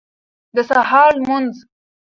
د سهار لمونځ